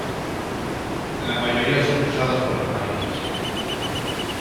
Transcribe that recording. La mayoría son usados por los Marines.